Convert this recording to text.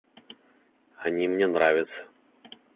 Они мне нравятся.